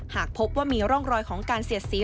หากพบว่ามีร่องรอยของการเสียดสี